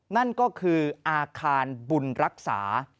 นั่นก็คืออาคารบุญรักษา